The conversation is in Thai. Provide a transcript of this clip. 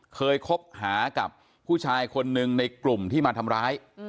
เคยคบหากับผู้ชายคนหนึ่งในกลุ่มที่มาทำร้าย